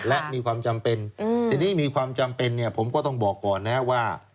และมีความจำเป็นทีนี้มีความจำเป็นเนี่ยผมก็ต้องบอกก่อนนะครับว่า